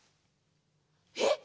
えっ？